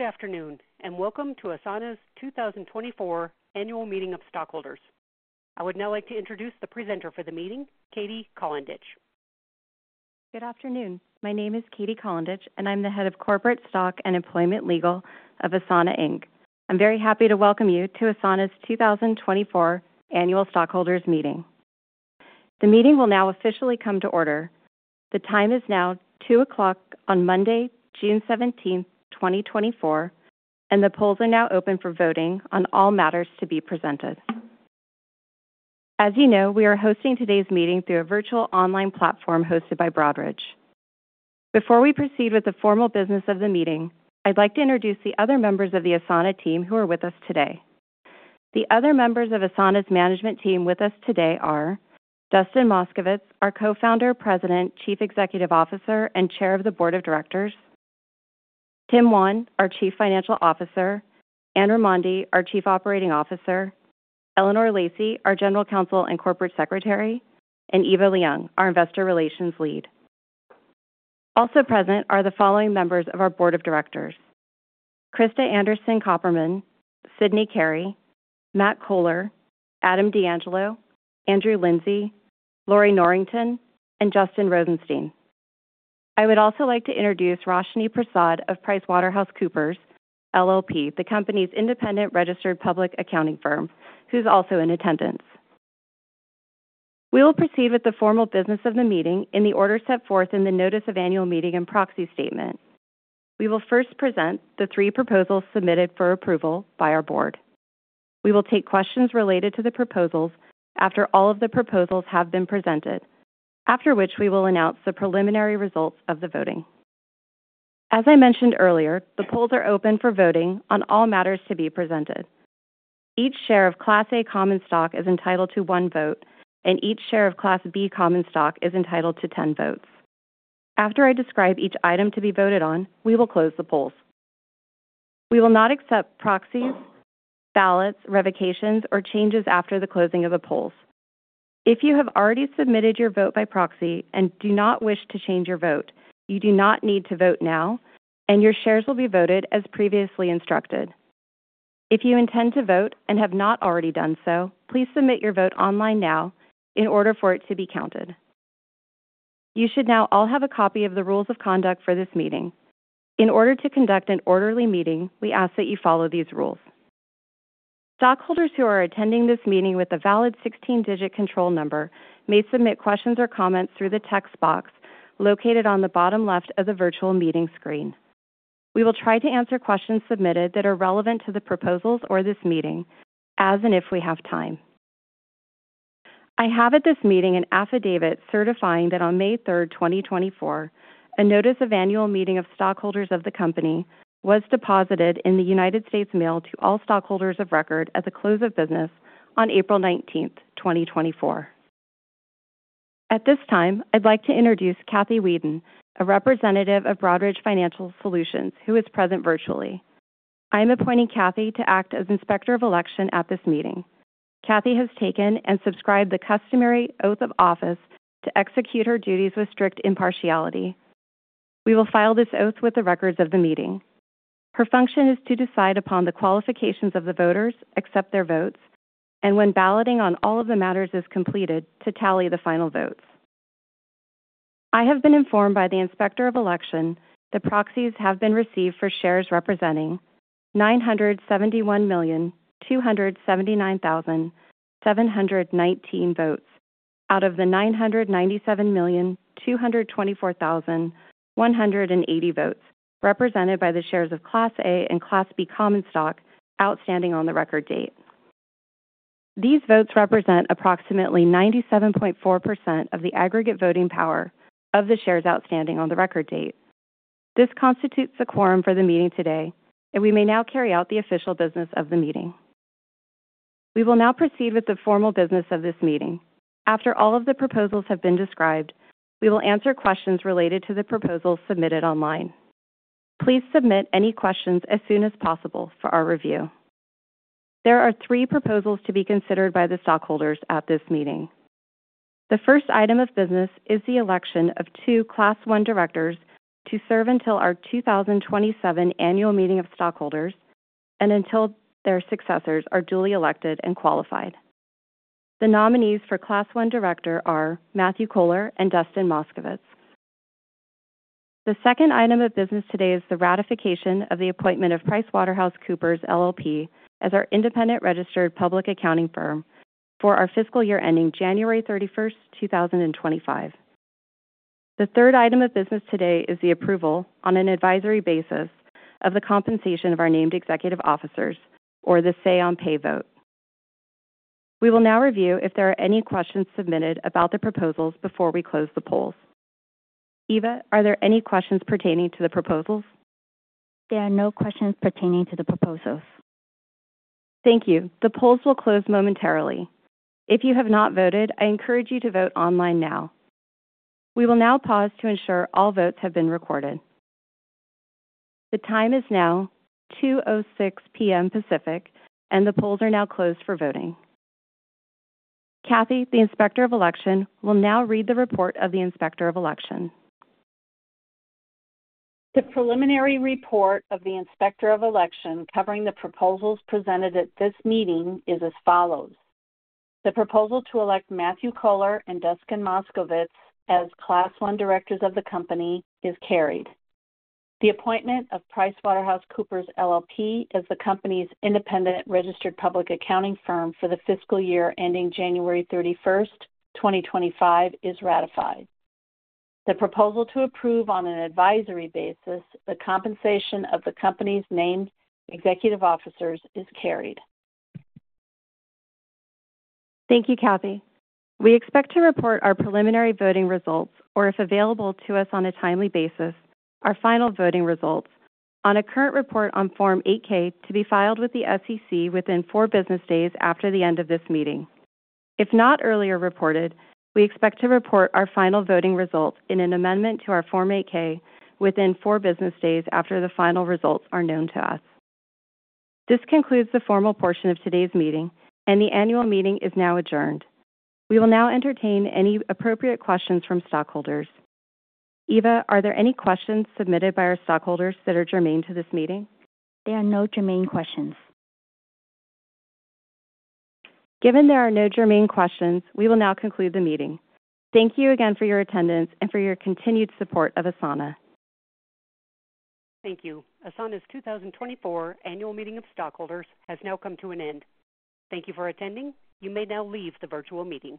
Good afternoon, and welcome to Asana's 2024 Annual Meeting of Stockholders. I would now like to introduce the presenter for the meeting, Katie Colendich. Good afternoon. My name is Katie Colendich, and I'm the Head of Corporate Stock and Employment Legal of Asana, Inc. I'm very happy to welcome you to Asana's 2024 Annual Stockholders' Meeting. The meeting will now officially come to order. The time is now 2:00 P.M. on Monday, June 17th, 2024, and the polls are now open for voting on all matters to be presented. As you know, we are hosting today's meeting through a virtual online platform hosted by Broadridge. Before we proceed with the formal business of the meeting, I'd like to introduce the other members of the Asana team who are with us today. The other members of Asana's management team with us today are Dustin Moskovitz, our Co-founder, President, Chief Executive Officer, and Chair of the Board of Directors, Tim Wan, our Chief Financial Officer, Anne Raimondi, our Chief Operating Officer, Eleanor Lacey, our General Counsel and Corporate Secretary, and Eva Leung, our Investor Relations Lead. Also present are the following members of our Board of Directors: Krista Anderson-Copperman, Sydney Carey, Matt Cohler, Adam D'Angelo, Andrew Lindsay, Lorrie Norrington, and Justin Rosenstein. I would also like to introduce Roshni Prasad of PricewaterhouseCoopers LLP, the company's independent registered public accounting firm, who's also in attendance. We will proceed with the formal business of the meeting in the order set forth in the notice of annual meeting and proxy statement. We will first present the three proposals submitted for approval by our board. We will take questions related to the proposals after all of the proposals have been presented, after which we will announce the preliminary results of the voting. As I mentioned earlier, the polls are open for voting on all matters to be presented. Each share of Class A common stock is entitled to one vote, and each share of Class B common stock is entitled to 10 votes. After I describe each item to be voted on, we will close the polls. We will not accept proxies, ballots, revocations, or changes after the closing of the polls. If you have already submitted your vote by proxy and do not wish to change your vote, you do not need to vote now, and your shares will be voted as previously instructed. If you intend to vote and have not already done so, please submit your vote online now in order for it to be counted. You should now all have a copy of the rules of conduct for this meeting. In order to conduct an orderly meeting, we ask that you follow these rules. Stockholders who are attending this meeting with a valid 16-digit control number may submit questions or comments through the text box located on the bottom left of the virtual meeting screen. We will try to answer questions submitted that are relevant to the proposals or this meeting, as and if we have time. I have at this meeting an affidavit certifying that on May 3, 2024, a notice of annual meeting of stockholders of the company was deposited in the United States mail to all stockholders of record at the close of business on April 19, 2024. At this time, I'd like to introduce Kathy Wheadon, a representative of Broadridge Financial Solutions, who is present virtually. I'm appointing Kathy to act as Inspector of Election at this meeting. Kathy has taken and subscribed the customary oath of office to execute her duties with strict impartiality. We will file this oath with the records of the meeting. Her function is to decide upon the qualifications of the voters, accept their votes, and when balloting on all of the matters is completed, to tally the final votes I have been informed by the Inspector of Election that proxies have been received for shares representing 971,279,719 votes out of the 997,224,180 votes, represented by the shares of Class A and Class B common stock outstanding on the record date. These votes represent approximately 97.4% of the aggregate voting power of the shares outstanding on the record date. This constitutes a quorum for the meeting today, and we may now carry out the official business of the meeting. We will now proceed with the formal business of this meeting. After all of the proposals have been described, we will answer questions related to the proposals submitted online. Please submit any questions as soon as possible for our review. There are three proposals to be considered by the stockholders at this meeting. The first item of business is the election of two Class I directors to serve until our 2027 Annual Meeting of Stockholders and until their successors are duly elected and qualified. The nominees for Class I director are Matt Cohler and Dustin Moskovitz. The second item of business today is the ratification of the appointment of PricewaterhouseCoopers LLP as our independent registered public accounting firm for our fiscal year ending January 31, 2025. The third item of business today is the approval on an advisory basis of the compensation of our named executive officers or the Say-on-Pay vote. We will now review if there are any questions submitted about the proposals before we close the polls. Eva, are there any questions pertaining to the proposals? There are no questions pertaining to the proposals. Thank you. The polls will close momentarily. If you have not voted, I encourage you to vote online now. We will now pause to ensure all votes have been recorded. The time is now 2:06 P.M. Pacific, and the polls are now closed for voting. Kathy, the Inspector of Election, will now read the report of the Inspector of Election. The preliminary report of the Inspector of Election covering the proposals presented at this meeting is as follows: The proposal to elect Matt Cohler and Dustin Moskovitz as Class I directors of the company is carried. The appointment of PricewaterhouseCoopers LLP as the company's independent registered public accounting firm for the fiscal year ending January 31, 2025, is ratified. The proposal to approve, on an advisory basis, the compensation of the company's named executive officers is carried. Thank you, Kathy. We expect to report our preliminary voting results, or if available to us on a timely basis, our final voting results on a current report on Form 8-K to be filed with the SEC within four business days after the end of this meeting. If not earlier reported, we expect to report our final voting results in an amendment to our Form 8-K within four business days after the final results are known to us. This concludes the formal portion of today's meeting, and the annual meeting is now adjourned. We will now entertain any appropriate questions from stockholders. Eva, are there any questions submitted by our stockholders that are germane to this meeting? There are no germane questions. Given there are no germane questions, we will now conclude the meeting. Thank you again for your attendance and for your continued support of Asana. Thank you. Asana's 2024 Annual Meeting of Stockholders has now come to an end. Thank you for attending. You may now leave the virtual meeting.